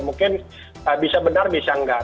mungkin bisa benar bisa enggak